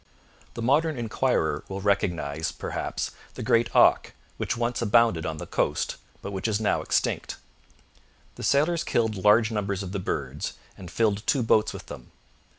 The modern enquirer will recognize, perhaps, the great auk which once abounded on the coast, but which is now extinct. The sailors killed large numbers of the birds, and filled two boats with them.